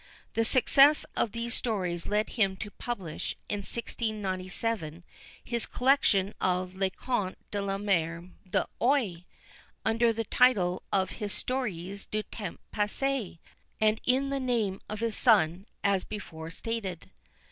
The success of these stories led him to publish, in 1697, his collection of Les Contes de ma Mère l'Oye, under the title of Histoires du Temps Passé, and in the name of his son, as before stated.